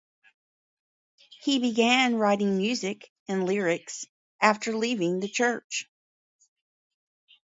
He began writing music and lyrics after leaving the church.